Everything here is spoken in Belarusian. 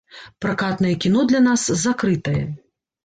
Пракатнае кіно для нас закрытае.